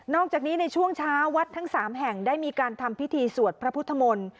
อกจากนี้ในช่วงเช้าวัดทั้ง๓แห่งได้มีการทำพิธีสวดพระพุทธมนต์